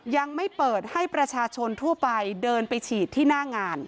ยังไม่เปิดให้ประชาชนทั่วไปเดินไปฉีดที่หน้างาน